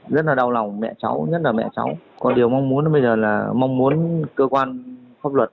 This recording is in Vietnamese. rất là đau lòng mẹ cháu nhất là mẹ cháu có điều mong muốn bây giờ là mong muốn cơ quan pháp luật